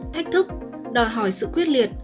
thách thức đòi hỏi sự quyết liệt